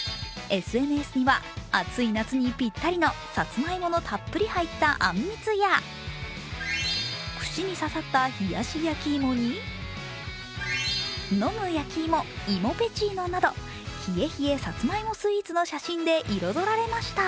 ＳＮＳには、暑い夏にぴったりのさつまいものたっぷり入ったあんみつや、串に刺さった冷やしやきいもに飲むやきいも、芋ぺちーのなど、冷え冷えさつまいもスイーツの写真で彩られました。